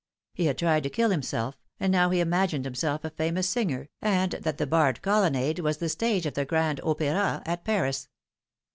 He had tried to kill himself, and now he imagined himself a famous singer, and that the barred colonnade was the stage of the Grand Opera at Paris.